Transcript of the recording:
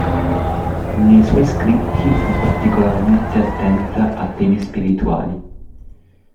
Nei suoi scritti fu particolarmente attenta a temi spirituali.